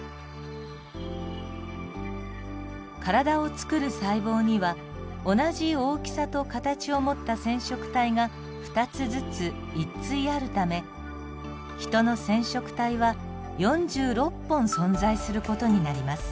体を作る細胞には同じ大きさと形を持った染色体が２つずつ１対あるためヒトの染色体は４６本存在する事になります。